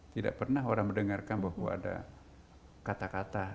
tidak pernah orang mendengarkan bahwa ada kata kata